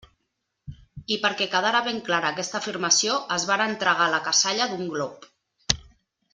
I perquè quedara ben clara aquesta afirmació, es varen tragar la cassalla d'un glop.